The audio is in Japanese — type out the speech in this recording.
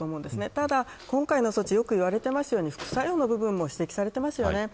ただ今回の措置、よく言われていますように副作用も指摘されていますよね。